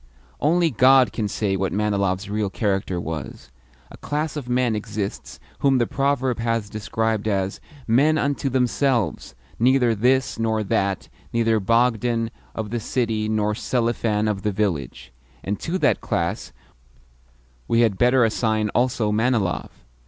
Only God can say what Manilov's real character was. A class of men exists whom the proverb has described as "men unto themselves, neither this nor that neither Bogdan of the city nor Selifan of the village." And to that class we had better assign also Manilov.